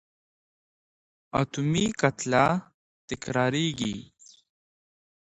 اتومي کتله تکرارېږي.